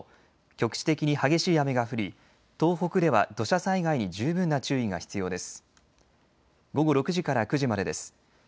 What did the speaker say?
局地的に激しい雨が降り東北では土砂災害に十分な注意が必要です。